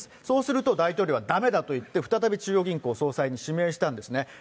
そうすると大統領はだめだと言って、再び中央銀行総裁に指名したんですね。